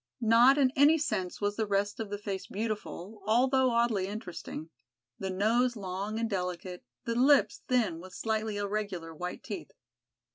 Not in any sense was the rest of the face beautiful, although oddly interesting, the nose long and delicate, the lips thin with slightly irregular white teeth.